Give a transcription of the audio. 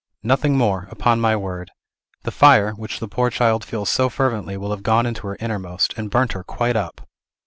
Nothing more, upon my word! The fire, which the poor child feels so fervently, will have gone into her innermost, and burnt her quite up!"